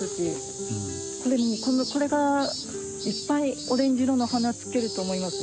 これがいっぱいオレンジ色の花つけると思います。